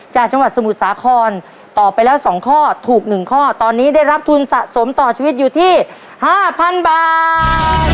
จากจังหวัดสมุทรสาครตอบไปแล้ว๒ข้อถูก๑ข้อตอนนี้ได้รับทุนสะสมต่อชีวิตอยู่ที่๕๐๐๐บาท